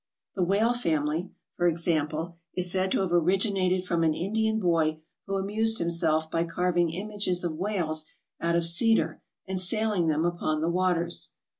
The Whale family, for example, is said to have originated from an Indian boy who amused himself by carving images of whales out of cedar and sailing them upon the waters.